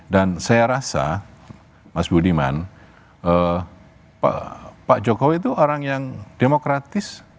dan saya rasa mas budiman pak jokowi itu orang yang demokratis